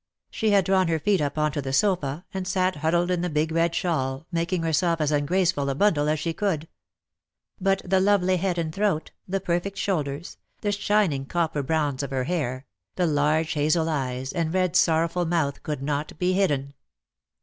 She had drawn her feet up onto the sofa, and sat huddled in the big red shawl, making herself as ungraceful a bundle as she could. But the lovely head and throat, the perfect shoulders, the shining copper bronze of her hair, the large hazel DEAD LOVE HAS CHAINS. tj eyes, and red sorrowful mouth could not be hidden.